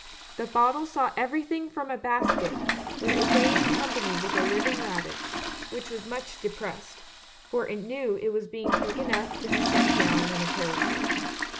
The bottle saw everything from a basket, where it lay in company with a living rabbit, which was much depressed, for it knew it was being taken up to be sent down in a parachute.